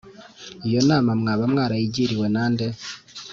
iyo nama mwaba mwarayigiriwe nande